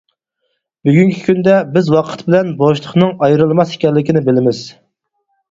بۈگۈنكى كۈندە، بىز ۋاقىت بىلەن بوشلۇقنىڭ ئايرىلماس ئىكەنلىكىنى بىلىمىز.